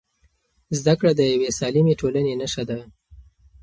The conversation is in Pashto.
زده کړه د یوې سالمې ټولنې نښه ده.